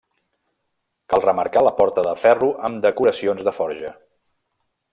Cal remarcar la porta de ferro amb decoracions de forja.